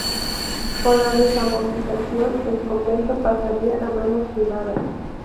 Con la desamortización, el convento pasaría a manos privadas.